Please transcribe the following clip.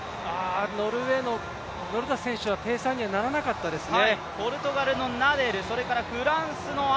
ノルウェーのノルダス選手はペーサーにはならなかったですね。